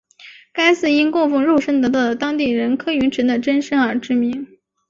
该寺因供奉肉身得道的当地人柯云尘的真身而知名。